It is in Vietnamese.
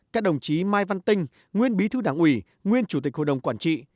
các đồng chí mai văn tinh nguyên bí thư đảng ủy nguyên chủ tịch hội đồng quản trị